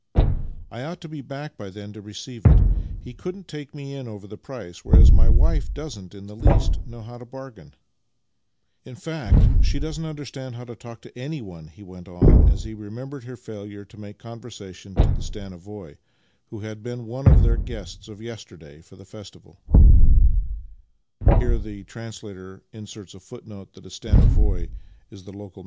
" I ought to be back by then to receive it. He couldn't take me in over the price, whereas my wife doesn't in the least know how to bargain. In fact, she doesn't understand how to talk to anyone," he v/ent on as he remembered her failure to make con versation to the stanovoi,^ who had been one of their guests of yesterday for the festival.